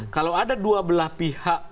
kalau ada dua belah pihak